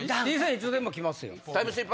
いつでも来ますよ。